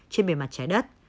trên bề mặt trái đất